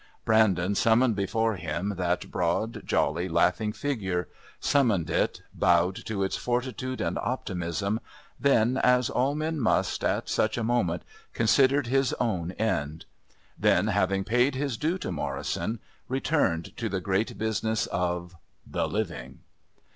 Brandon summoned before him that broad, jolly, laughing figure, summoned it, bowed to its fortitude and optimism, then, as all men must, at such a moment, considered his own end; then, having paid his due to Morrison, returned to the great business of the Living.